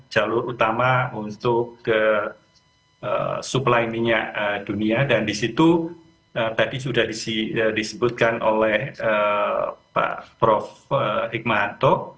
jalur utama untuk supply minyak dunia dan disitu tadi sudah disebutkan oleh pak prof hikmahanto